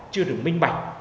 chưa được minh bạch